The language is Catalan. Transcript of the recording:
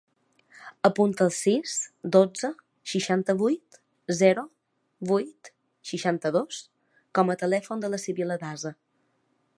Apunta el sis, dotze, seixanta-vuit, zero, vuit, seixanta-dos com a telèfon de la Sibil·la Daza.